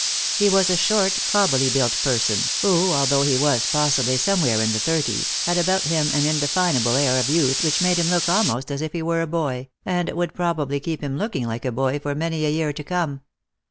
He was a short, cobbily built person, who, although he was possibly somewhere in the thirties, had about him an indefinable air of youth which made him look almost as if he were a boy, and would probably keep him looking like a boy for many a year to come.